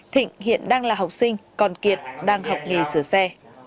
thịnh hiện đang là học sinh còn kiệt đang học nghề sửa xe